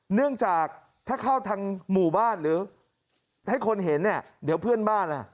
เนื่องจากถ้าเข้าทางหมู่บ้านหรือให้คนเห็นเนี่ยเดี๋ยวเพื่อนบ้านอ่ะ